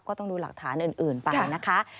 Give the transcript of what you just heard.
ก็ต้องดูหลักฐานอื่นไปนะคะ